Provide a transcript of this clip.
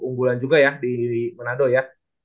unggulan juga ya di manado ya